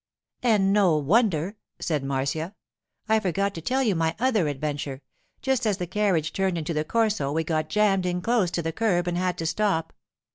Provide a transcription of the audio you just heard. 'And no wonder!' said Marcia. 'I forgot to tell you my other adventure, just as the carriage turned into the Corso we got jammed in close to the curb and had to stop.